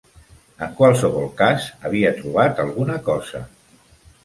En qualsevol cas, havia trobat alguna cosa.